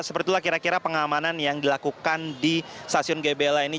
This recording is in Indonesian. seperti itulah kira kira pengamanan yang dilakukan di stasiun gebela ini